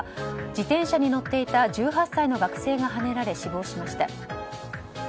自転車に乗っていた１８歳の学生がはねられ死亡しました。